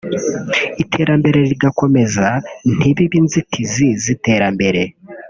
iterambere rigakomeza ntibibe inzitizi z’iterambere